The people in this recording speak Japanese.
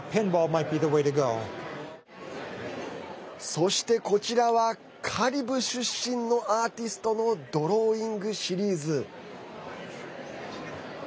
そして、こちらはカリブ出身のアーティストのドローイングシリーズ。